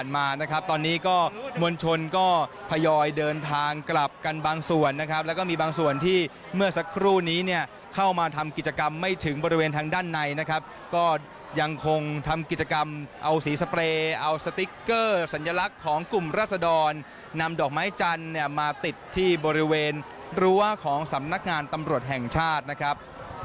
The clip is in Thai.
มานะครับแล้วก็มีบางส่วนที่เมื่อสักครู่นี้เนี่ยเข้ามาทำกิจกรรมไม่ถึงบริเวณทางด้านในนะครับก็ยังคงทำกิจกรรมเอาสีสเปรย์เอาสติ๊กเกอร์สัญลักษณ์ของกลุ่มรัศดรนำดอกไม้จันทร์เนี่ยมาติดที่บริเวณรั้วของสำนักงานตำรวจแห่งชาตินะครับ